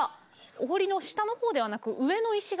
お堀の下の方ではなく上の石垣。